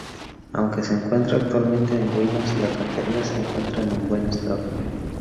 Aunque se encuentra actualmente en ruinas, la cantería se encuentra en buen estado.